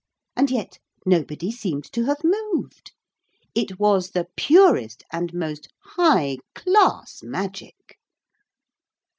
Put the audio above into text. And yet nobody seemed to have moved. It was the purest and most high class magic.